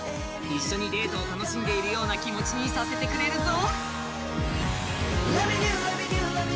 一緒にデートを楽しんでいるような気持ちにさせてくれるぞ。